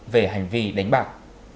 về hành vi đánh bạc